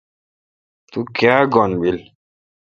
تو کاں گن بیل۔